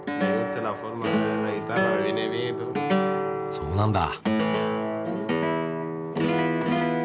そうなんだ。